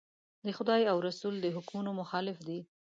د خدای او رسول د حکمونو مخالف دي.